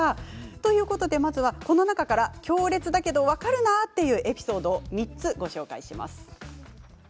ということで、まずはこの中から強烈だけど分かるなというエピソードを３つご紹介します。